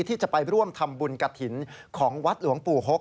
ที่จะไปร่วมทำบุญกระถิ่นของวัดหลวงปู่หก